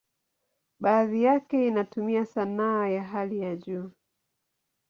Baadhi yake inatumia sanaa ya hali ya juu.